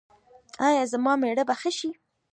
ایا زما میړه به ښه شي؟